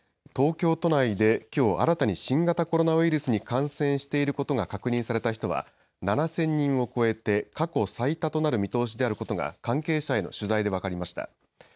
東京都内できょう新たに新型コロナウイルスに感染していることが確認された人は７０００人を超えて過去最多となる見通しであることが関係者への取材で分かりました。